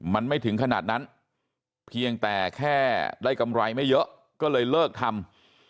มันไม่ถึงขนาดนั้นเพียงแต่แค่ได้กำไรไม่เยอะก็เลยเลิกทำ